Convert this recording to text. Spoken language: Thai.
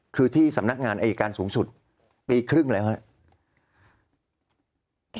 คือที่สำนักงานอายการสูงสุดปีครึ่งแล้วครับ